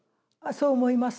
そう思います。